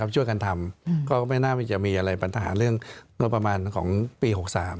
ช่วยกันทำก็ไม่น่าจะมีอะไรปัญหาเรื่องงบประมาณของปี๖๓